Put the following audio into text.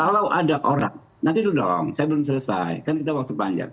kalau ada orang nanti dulu dong saya belum selesai kan kita waktu panjang